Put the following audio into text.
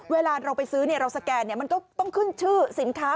เวลาเราไปซื้อเราสแกนมันก็ต้องขึ้นชื่อสินค้า